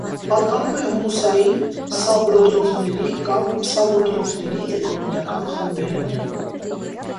Պատկանում է հումուսային սապրոտրոֆների կամ պսամոտրոֆների էկոլոգիական խմբերին։